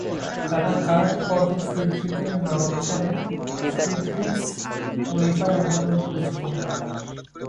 তারা Kurt Otto Friedrich এর নামানুসারে ফ্রিডরিখস মলিফায়ার নামেও পরিচিত।